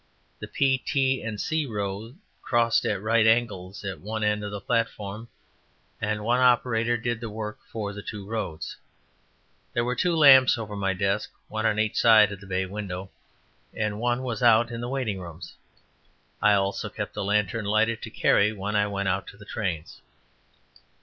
The P. & T. C. road crossed at right angles at one end of the platform, and one operator did the work for the two roads. There were two lamps over my desk one on each side of the bay window and one was out in the waiting room. I also kept a lantern lighted to carry when I went out to trains.